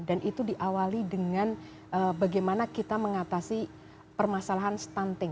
dan itu diawali dengan bagaimana kita mengatasi permasalahan stunting